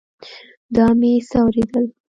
دا مې څه اورېدل.